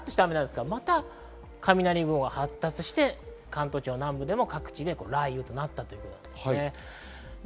また雷雲が発達して関東地方南部でも各地で雷雨となりました。